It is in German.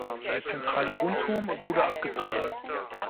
Der zentrale Rundturm wurde abgetragen.